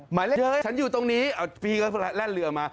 หมายเล่นเย้ยฉันอยู่ตรงนี้เอาพี่เค้าแร่นเรือมา